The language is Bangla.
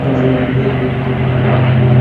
তুমি বুঝতে পেরেছ?